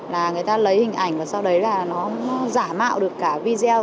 là người ta lấy hình ảnh và sau đấy là nó giả mạo được cả video